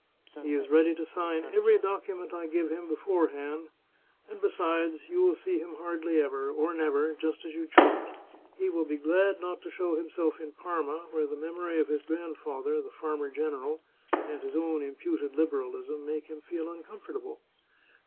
He is ready to sign every document I give him beforehand, and, besides, you will see him hardly ever, or never, just as you choose. He will be glad not to show himself in Parma, where the memory of his grandfather, the farmer general, and his own imputed liberalism make him feel un comfortable.